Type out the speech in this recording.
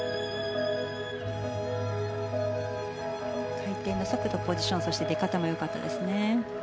回転の速度、ポジションそして出方もよかったですね。